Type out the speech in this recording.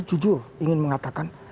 jujur ingin mengatakan